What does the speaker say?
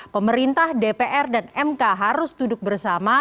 pemerintah dpr dan mk harus duduk bersama